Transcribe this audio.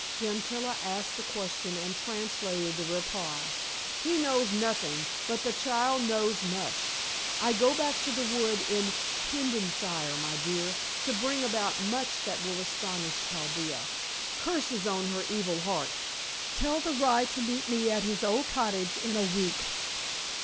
Gentilla asked the question and translated the reply. "He knows nothing, but the child knows much. I go back to the wood in Hengishire, my dear, to bring about much that will astonish Chaldea curses on her evil heart. Tell the rye to meet me at his old cottage in a week.